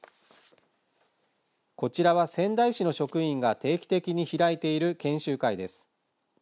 こちらは仙台市の職員が定期的に開いている研修会です。